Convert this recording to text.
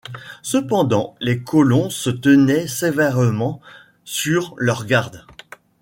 Cependant, les colons se tenaient sévèrement sur leurs gardes